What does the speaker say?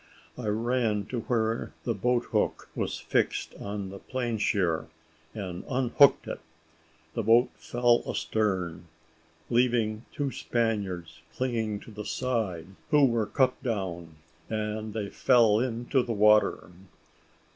I ran to where the boat hook was fixed on the planeshear, and unhooked it; the boat fell astern, leaving two Spaniards clinging to the side, who were cut down, and they fell into the water.